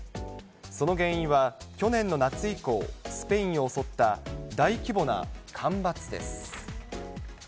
その原因は、去年の夏以降、スペインを襲った大規模な干ばつです。